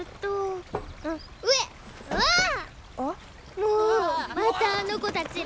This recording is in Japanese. もうまたあの子たちら。